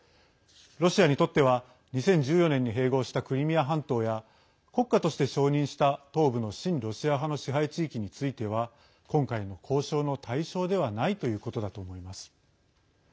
ロシアにとっては２０１４年に併合したクリミア半島や国家として承認した東部の親ロシア派の支配地域については今回の交渉の対象ではないということだと思います。